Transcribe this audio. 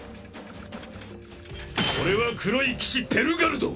俺は黒い騎士ペルガルド